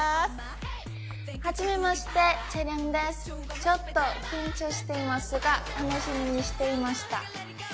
ちょっと緊張していますが、楽しみにしていました。